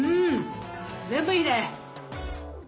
全部いいね！